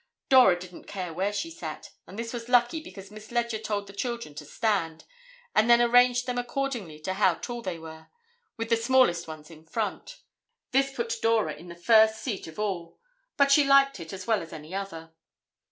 Dora didn't care where she sat, and this was lucky, because Miss Leger told the children to stand, and then arranged them according to how tall they were, with the smallest ones in front. This put Dora in the first seat of all, but she liked it as well as any other.